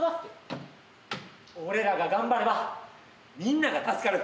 俺らが頑張ればみんなが助かる。